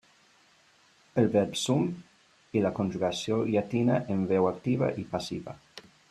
El verb "sum" i la conjugació llatina en veu activa i passiva.